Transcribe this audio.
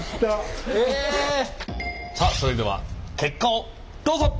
さあそれでは結果をどうぞ！